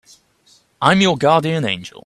I'm your guardian angel.